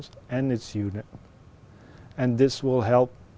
và điều này sẽ giúp